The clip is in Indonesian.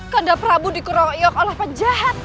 kanda prabu dikeroyok oleh penjahat